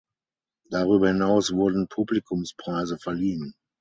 Darüber hinaus wurden Publikumspreise verliehen.